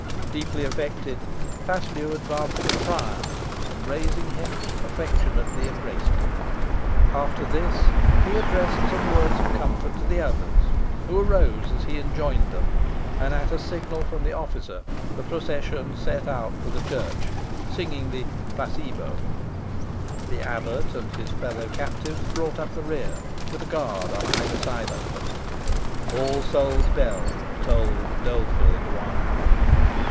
Deeply affected, Paslew advanced to the prior, and raising him, affectionately embraced him. After this, he addressed some words of comfort to the others, who arose as he enjoined them, and at a signal from the officer, the procession set out for the church, singing the "Placebo." The abbot and his fellow captives brought up the rear, with a guard on either side of them. All Souls' bell tolled dolefully the while.